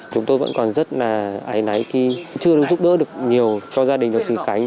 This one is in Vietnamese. chúng tôi vẫn còn rất là ái nái khi chưa được giúp đỡ được nhiều cho gia đình của thủy khánh